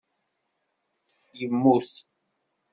Yemmut.